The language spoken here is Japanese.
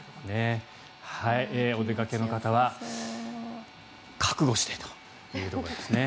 お出かけの方は覚悟してということですね。